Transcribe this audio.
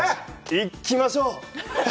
行きましょう。